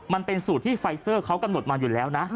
มันเป็นสูตรที่ไฟเซอร์เขากำหนดมาอยู่แล้วนะ